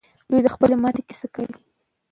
دوی د خپلې ماتې کیسه کوي.